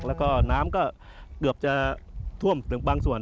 แล้วก็น้ำก็เกือบจะท่วมถึงบางส่วน